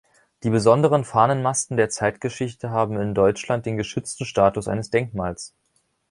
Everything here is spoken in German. Die besonderen Fahnenmasten der Zeitgeschichte haben in Deutschland den geschützten Status eines Denkmals.